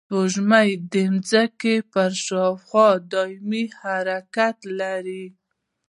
سپوږمۍ د ځمکې پر شاوخوا دایمي حرکت لري